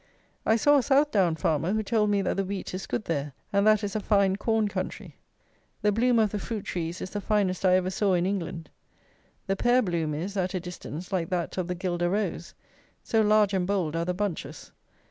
I saw a Southdown farmer, who told me that the wheat is good there, and that is a fine corn country. The bloom of the fruit trees is the finest I ever saw in England. The pear bloom is, at a distance, like that of the Gueldre Rose; so large and bold are the bunches.